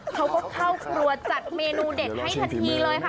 เขาก็เข้าครัวจัดเมนูเด็ดให้ทันทีเลยค่ะ